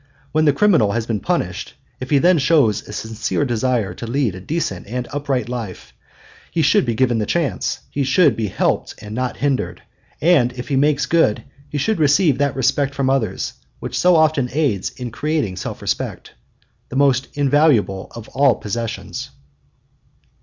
When the criminal has been punished, if he then shows a sincere desire to lead a decent and upright life, he should be given the chance, he should be helped and not hindered; and if he makes good, he should receive that respect from others which so often aids in creating self respect the most invaluable of all possessions.